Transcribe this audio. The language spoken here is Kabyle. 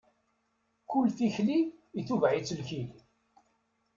Kul tikli itubeɛ-itt lkil.